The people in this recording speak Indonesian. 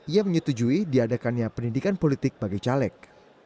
ia menyetujui diadakannya pendidikan politik bagi caleg